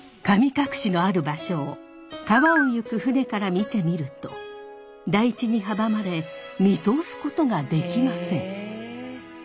神隠のある場所を川を行く船から見てみると台地に阻まれ見通すことができません。